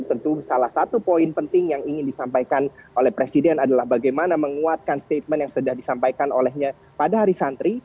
tentu salah satu poin penting yang ingin disampaikan oleh presiden adalah bagaimana menguatkan statement yang sudah disampaikan olehnya pada hari santri